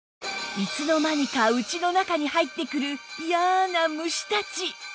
いつの間にか家の中に入ってくる嫌な虫たち